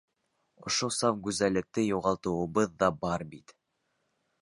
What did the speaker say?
Ошо саф гүзәллекте юғалтыуыбыҙ ҙа бар бит.